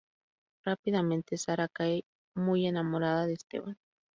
Rápidamente Sara cae muy enamorada de Esteban.